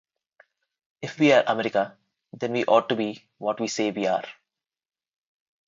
If we are America, then we ought to be what we say we are.